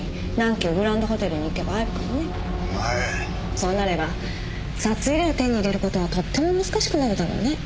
そうなれば札入れを手に入れる事はとっても難しくなるだろうね。